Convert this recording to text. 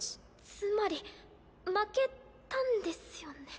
つまり負けたんですよね？